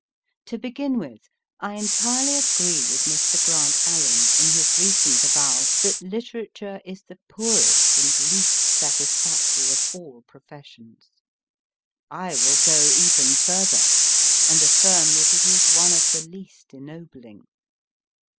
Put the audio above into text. To begin with, I entirely agree with Mr. Grant Allen in his recent avowal that Literature is the poorest and least satisfactory of all professions ; I will go even further, and affirm that it is one of the least ennobling.